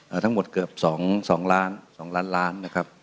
ทั้งหมดเกือบสองสองล้านสองล้านล้านนะครับ